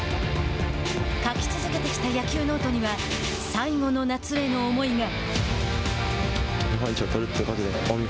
書き続けてきた野球ノートには最後の夏への思いが。